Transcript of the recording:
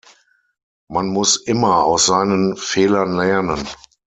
Man muss immer aus seinen Fehlern lernen.